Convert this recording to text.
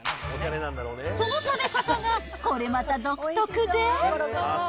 その食べ方がこれまた独特で。